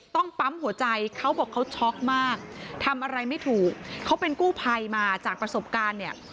ปั๊มหัวใจเขาบอกเขาช็อกมากทำอะไรไม่ถูกเขาเป็นกู้ภัยมาจากประสบการณ์เนี่ย